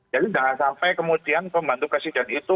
jadi jangan sampai kemudian pembantu presiden itu